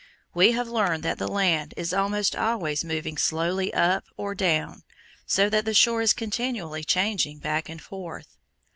We have learned that the land is almost always moving slowly up or down, so that the shore is continually changing back and forth.